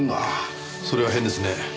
それは変ですね。